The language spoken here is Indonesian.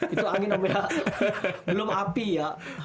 itu angin belum api ya